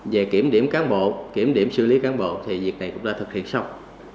về kiểm điểm cán bộ kiểm điểm xử lý cán bộ thì việc này cũng đã thực hiện xong